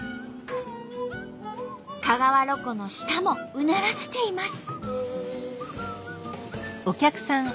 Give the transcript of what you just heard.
香川ロコの舌もうならせています。